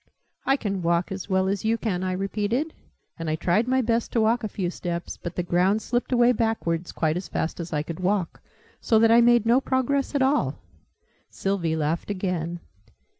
"I can walk as well as you can," I repeated. And I tried my best to walk a few steps: but the ground slipped away backwards, quite as fast as I could walk, so that I made no progress at all. Sylvie laughed again.